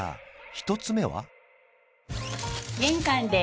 １つ目は？